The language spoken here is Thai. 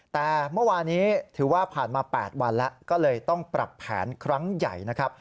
แต่เมื่อวานี้ถือว่าผ่านมา๘วันแล้วก็เลยต้องปรับแผนครั้งใหญ่นะครับ